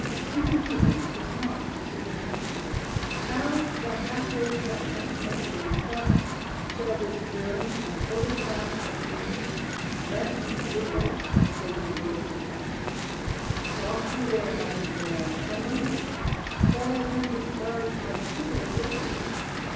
Superhuman is not supernatural. How shall half way judge of journey done? Shall this germ and protoplast of being Rest mid life and say his race is run? Softly there, my Niccolo, a moment! Shall I then discard my simpler joys?